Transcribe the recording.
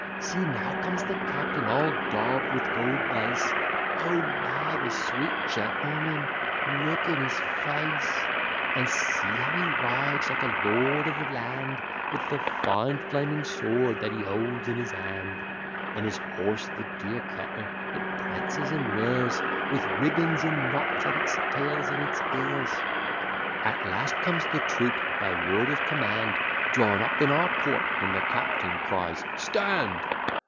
See now comes the captain all daub'd with gold lace: O la! the sweet gentleman! look in his face; And see how he rides like a lord of the land, With the fine flaming sword that he holds in his hand; And his horse, the dear creter, it prances and rears; With ribbons in knots at its tail and its ears: At last comes the troop, by word of command, Drawn up in our court; when the captain cries, STAND!